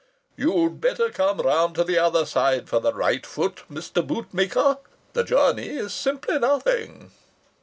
You'd better come round to the other side for the right foot, Mr. Bootmaker. The journey is simply nothing."